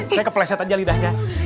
saya kepleset aja lidahnya